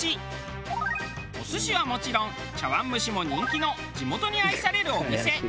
お寿司はもちろん茶碗蒸しも人気の地元に愛されるお店。